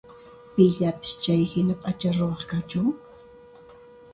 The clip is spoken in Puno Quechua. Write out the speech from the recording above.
Pillapis chayhina p'acha ruwaq kanchu?